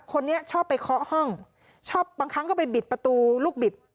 คนนี้ชอบไปเคาะห้องชอบบางครั้งก็ไปบิดประตูลูกบิด